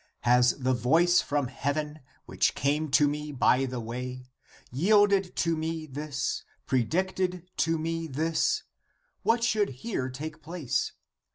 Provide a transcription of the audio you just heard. Has the voice from heaven, which came to me by the way, yielded to me this, predicted to me this, what should here take place?